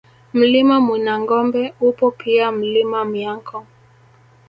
Mlima Mwinangombe upo pia Mlima Myanko